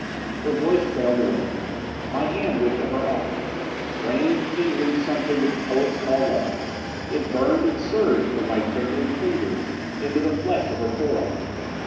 Her voice trailed away. My hand went to her arm. Strange tingling something which poets call love! It burned and surged from my trembling fingers into the flesh of her forearm.